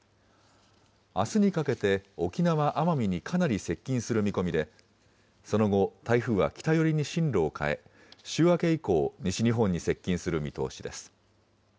あすにかけて、沖縄・奄美にかなり接近する見込みで、その後、台風は北寄りに進路を変え、週明け以降、西日本に接近する見通しです。